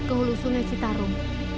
untuk mencintai citarum